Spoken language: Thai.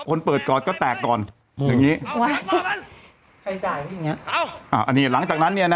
เปิดกอดก็แตกก่อนอย่างงี้ไว้ใครจ่ายอย่างเงี้อันนี้หลังจากนั้นเนี่ยนะ